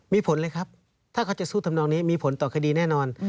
มีผลเลยครับถ้าเขาจะสู้ทำนองนี้มีผลต่อคดีแน่นอน